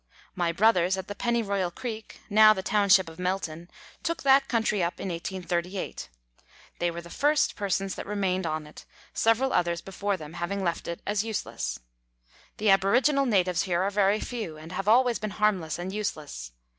My brothers at the Pennyroyal Creek (now the township of Melton) took that country up in 1838. They were the first c z 20 Letters from Victorian Pioneers. persons that remained on it, several others before them having left it as useless. The aboriginal natives here are very few, and have always been harmless and useless.